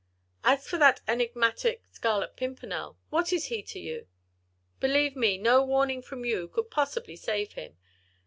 As for that enigmatic Scarlet Pimpernel, what is he to you? Believe me, no warning from you could possibly save him.